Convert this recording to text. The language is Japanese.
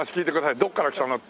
どこから来たの？って。